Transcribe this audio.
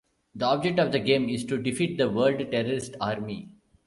The object of the game is to defeat the World Terrorist Army.